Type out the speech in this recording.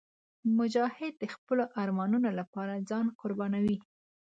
مجاهد د خپلو ارمانونو لپاره ځان قربانوي.